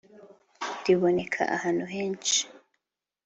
Riboneka ahantu heshi.